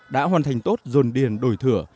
đã hoàn thành tốt dồn điền đổi thửa